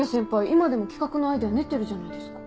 今でも企画のアイデア練ってるじゃないですか。